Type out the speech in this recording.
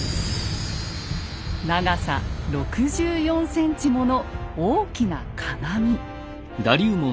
長さ６４ｃｍもの大きな鏡。